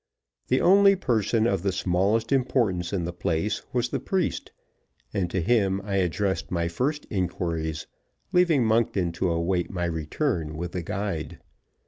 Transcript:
The only person of the smallest importance in the place was the priest, and to him I addressed my first inquiries, leaving Monkton to await my return with the guide.